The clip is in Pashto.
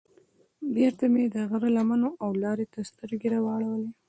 بېرته مې د غره لمنو او لارې ته سترګې واړولې.